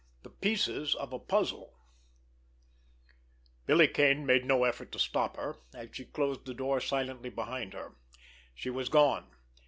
_" X—THE PIECES OF A PUZZLE Billy Kane made no effort to stop her, as she closed the door silently behind her. She was gone.